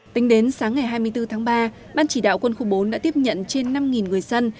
tính đến sáng ngày hai mươi bốn tháng ba ban chỉ đạo quân khu bốn đã tiếp nhận trên năm người dân